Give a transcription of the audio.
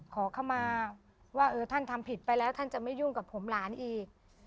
ขอเข้ามาว่าเออท่านทำผิดไปแล้วท่านจะไม่ยุ่งกับผมหลานอีก